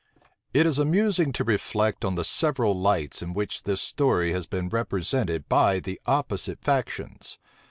It is amusing to reflect on the several lights in which this story has been represented by the opposite factions.